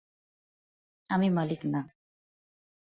আমি মালিক না।